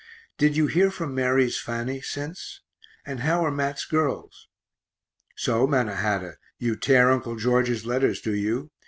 Did you hear from Mary's Fanny since? And how are Mat's girls? So, Mannahatta, you tear Uncle George's letters, do you?